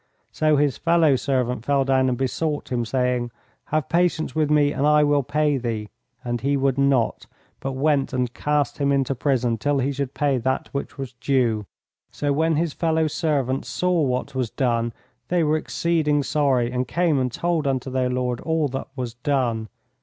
So his fellow servant fell down and besought him, saying, Have patience with me and I will pay thee. And he would not, but went and cast him into prison till he should pay that which was due. So when his fellow servants saw what was done, they were exceeding sorry, and came and told unto their lord all that was done.